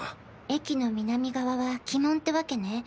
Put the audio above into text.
駅の南側は鬼門ってわけね。